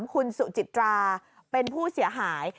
คุณสุจิตราเป็นผู้เสียหาย